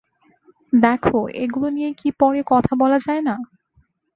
দেখো, এগুলো নিয়ে কি পরে কথা বলা যায় না?